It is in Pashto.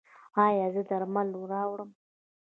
ایا زه درمل راوړم؟